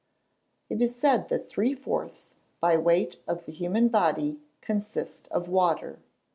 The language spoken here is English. It is said that three fourths by weight of the human body consist of water.